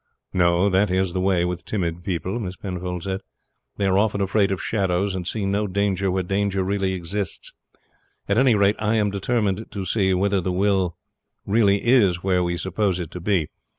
"No; that is the way with timid people," Miss Penfold said. "They are often afraid of shadows, and see no danger where danger really exists. At any rate, I am determined to see whether the will really is where we suppose it to be.